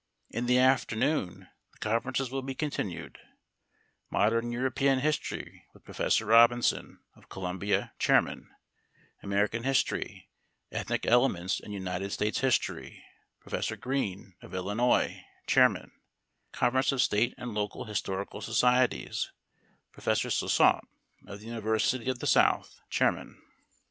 In the afternoon the conferences will be continued: Modern European History, with Prof. Robinson, of Columbia, chairman; American History, Ethnic Elements in United States History, Prof. Greene, of Illinois, chairman; Conference of State and Local Historical Societies, Prof. Sioussat, of the University of the South, chairman.